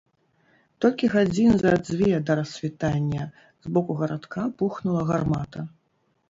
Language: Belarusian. Толькі гадзін за дзве да рассвітання з боку гарадка бухнула гармата.